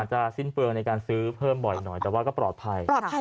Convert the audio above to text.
จะสิ้นเปลืองในการซื้อเพิ่มบ่อยหน่อยแต่ว่าก็ปลอดภัย